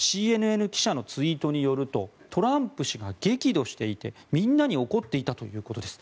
ＣＮＮ記者のツイートによるとトランプ氏が激怒していてみんなに怒っていたということです。